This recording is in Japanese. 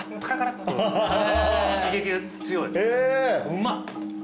うまっ！